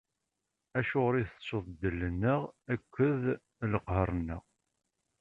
Acuɣer i tettuḍ ddel-nneɣ akked leqher-nneɣ?